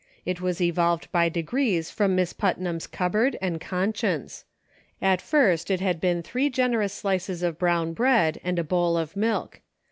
It was evolved by degrees from Miss Putnam's cupboard and conscience. At first it had been three generous slices of brown bread and a bowl of milk.